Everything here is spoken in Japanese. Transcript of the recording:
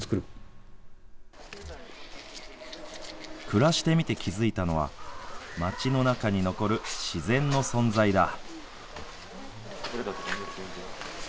暮らしてみて気付いたのは、街の中に残る自然の存在だ。